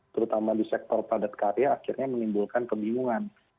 terutama di sektor padat karya akhirnya menimbulkan kebingungan